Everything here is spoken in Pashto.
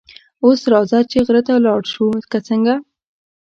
اوس راځه چې غره ته ولاړ شو، که څنګه؟